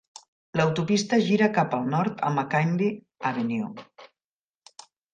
L'autopista gira cap al nord a McKinley Avenue.